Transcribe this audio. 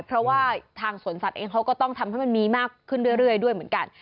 เพราะว่าทางสวนสัตว์เองเขาก็ต้องทำให้มันมีมากขึ้นเรื่อยด้วยเหมือนกัน